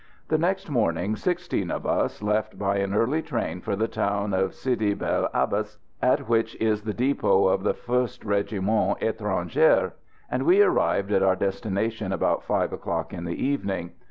The next morning sixteen of us left by an early train for the town of Sidi bel Abbes, at which is the depot of the 1st Régiment Étranger, and we arrived at our destination about five o'clock in the evening.